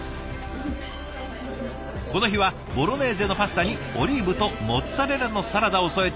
この日はボロネーゼのパスタにオリーブとモッツァレラのサラダを添えて。